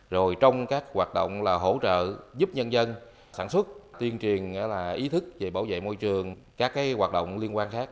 rồi trong các hoạt động hỗ trợ giúp nhân dân sản xuất tuyên truyền ý thức về bảo vệ môi trường các hoạt động liên quan khác